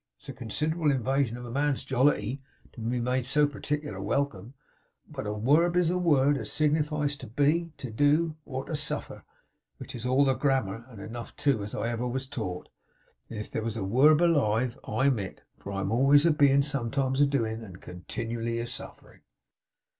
It's a considerable invasion of a man's jollity to be made so partickler welcome, but a Werb is a word as signifies to be, to do, or to suffer (which is all the grammar, and enough too, as ever I wos taught); and if there's a Werb alive, I'm it. For I'm always a bein', sometimes a doin', and continually a sufferin'.